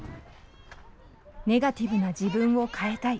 ネガティブな自分を変えたい。